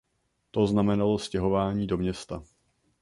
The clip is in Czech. To znamenalo stěhování do města.